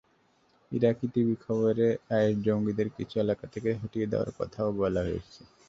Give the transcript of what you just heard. ইরাকি টিভির খবরে আইএস জঙ্গিদের কিছু এলাকা থেকে হটিয়ে দেওয়ার কথাও বলা হয়েছে।